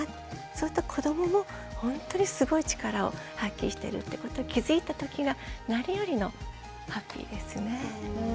そうすると子どももほんとにすごい力を発揮してるってことに気付いたときが何よりのハッピーですね。